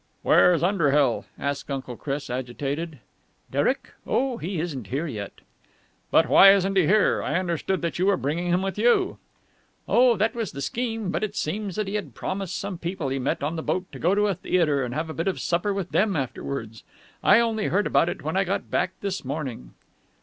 "Where is Underhill?" asked Uncle Chris agitated. "Derek? Oh, he isn't here yet." "But why isn't he here? I understood that you were bringing him with you." "That was the scheme, but it seems he had promised some people he met on the boat to go to a theatre and have a bit of supper with them afterwards. I only heard about it when I got back this morning."